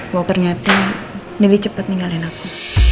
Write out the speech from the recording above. wau pernyata nindy cepet ninggalin aku